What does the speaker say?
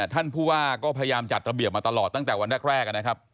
ท่านผู้ว่าก็พยายามจัดระเบียบมาตลอดตั้งแต่วันแรกนะครับ